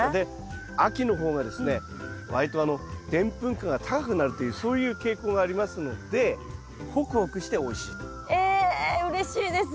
秋の方がですね割とでんぷん価が高くなるというそういう傾向がありますのでホクホクしておいしいと。えうれしいです。